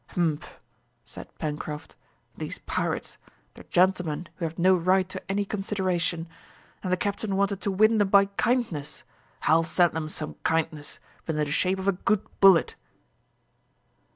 "Humph!" said Pencroft, "these pirates! they are gentlemen who have no right to any consideration! And the captain wanted to win them by kindness! I'll send them some kindness, but in the shape of a good bullet!"